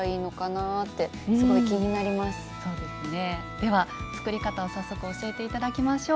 では作り方を早速教えて頂きましょう。